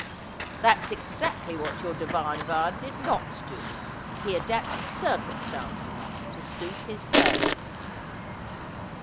' That's exactly what your divine bard did not do. He adapted circumstances to suit his plays.'